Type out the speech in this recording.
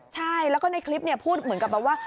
ใช่และในคลิปพูดเหมือนกับงั้นว่า